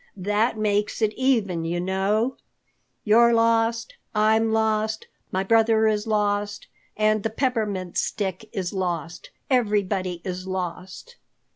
That makes it even, you know. You're lost, I'm lost, my brother is lost, and the Peppermint Stick is lost. Everybody is lost."